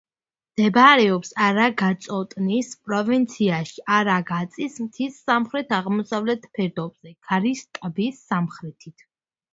მდებარეობს არაგაწოტნის პროვინციაში, არაგაწის მთის სამხრეთ-აღმოსავლეთ ფერდობზე, ქარის ტის სამხრეთით.